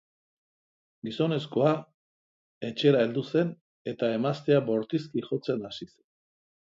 Gizonezkoa etxera heldu zen, eta emaztea bortizki jotzen hasi zen.